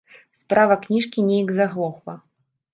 Справа кніжкі нейк заглохла.